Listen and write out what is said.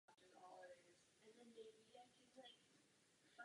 Často jsou veškeré metrické prvky zrušeny zcela.